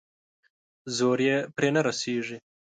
زور يې پرې نه رسېږي.